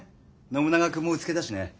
信長君もうつけだしね。